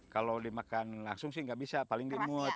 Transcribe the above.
kalau dimakan langsung sih nggak bisa paling dimut